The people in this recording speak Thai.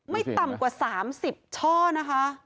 ไม่ต่ำกว่า๓๐ช่อนะคะ